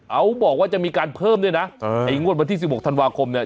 เขาบอกว่าจะมีการเพิ่มด้วยนะไอ้งวดวันที่๑๖ธันวาคมเนี่ย